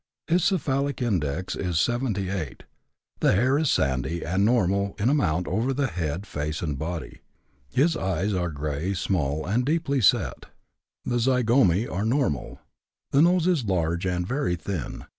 His cephalic index is 78. The hair is sandy, and normal in amount over head, face, and body. His eyes are gray, small, and deeply set; the zygomæ are normal. The nose is large and very thin.